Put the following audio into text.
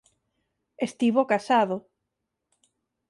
Estivo casado.